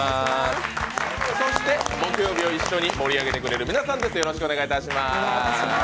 そして、木曜日を一緒に盛り上げてくれる皆さんです。